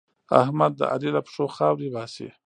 احمد د علي له پښو خاورې باسي.